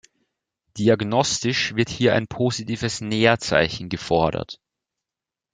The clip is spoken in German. Diagnostisch wird hier ein positives Neer-Zeichen gefordert.